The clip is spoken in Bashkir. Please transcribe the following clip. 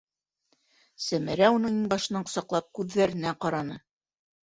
- Сәмәрә уның иңбашынан ҡосаҡлап, күҙҙәренә ҡараны.